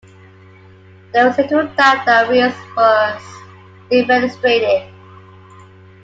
There was little doubt that Reles was defenestrated.